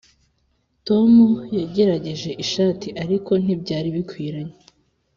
tom yagerageje ishati, ariko ntibyari bikwiranye.